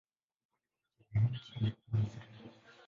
Kwa upande mmoja ni mji mkuu wa Israel.